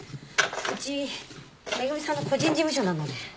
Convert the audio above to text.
うち恵さんの個人事務所なので。